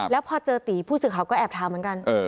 แล้วพอเจอตีผู้สื่อข่าวก็แอบถามเหมือนกัน